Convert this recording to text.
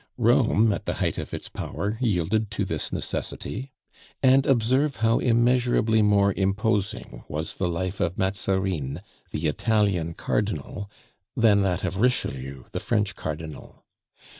Rome at the height of its power yielded to this necessity. And observe how immeasurably more imposing was the life of Mazarin, the Italian cardinal, than that of Richelieu, the French cardinal.